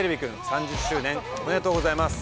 ３０周年おめでとうございます！